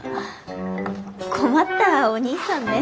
困ったお兄さんね。